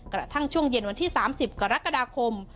กระทั่งช่วงเย็นวันที่๓๐กรกฎาคม